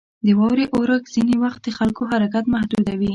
• د واورې اورښت ځینې وخت د خلکو حرکت محدودوي.